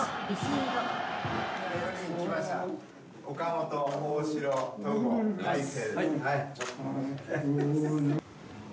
岡本、大城、戸郷、大勢。